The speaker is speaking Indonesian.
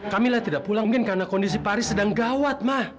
kamilah tidak pulang mungkin karena kondisi pak haris sedang gawat ma